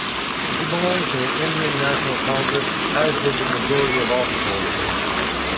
He belonged to the Indian National Congress, as did a majority of the officeholders.